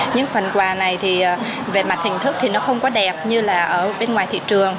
những phần quà này thì về mặt hình thức thì nó không có đẹp như là ở bên ngoài thị trường